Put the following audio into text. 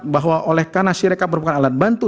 empat empat bahwa oleh karena sirekap merupakan alat bantu